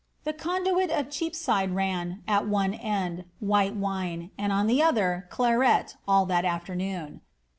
The conduit of Cheapside ran, at one end, wc wine, and at the other, claret, all that afternoon.